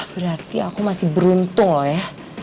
berarti aku masih beruntung ya